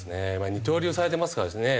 二刀流されてますからね。